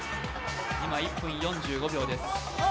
今１分４５秒です。